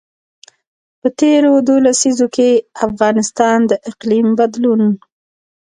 په تېرو دوو لسیزو کې افغانستان د اقلیم بدلون.